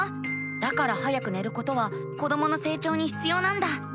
だから早く寝ることは子どもの成長にひつようなんだ。